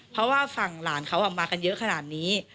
เพราะว่าฝั่งหลานเขาออกมากันเยอะขนาดนี้